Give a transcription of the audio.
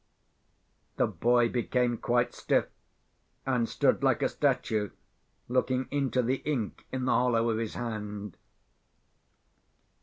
The boy became quite stiff, and stood like a statue, looking into the ink in the hollow of his hand.